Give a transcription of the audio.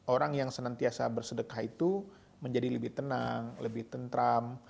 orang yang senantiasa bersedekah itu menjadi lebih tenang lebih tentram